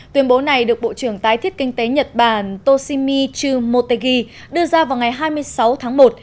tuyên bố này được bộ trưởng tái thiết kinh tế nhật bản toshimi chu motegi đưa ra vào ngày hai mươi sáu tháng một